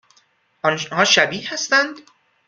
آنها شبیه هستند؟